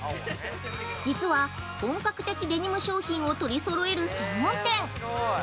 実は、本格的デニム商品を取りそろえる専門店。